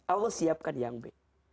allah siapkan yang b